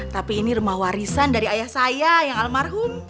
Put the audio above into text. tapi ini rumah warisan dari ayah saya yang almarhum